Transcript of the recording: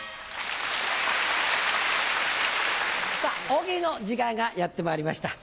大喜利の時間がやってまいりました。